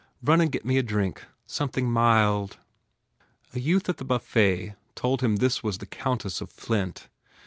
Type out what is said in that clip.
Run and get me a drink. Something mild." A youth at the buffet told him this was the Countess of Flint.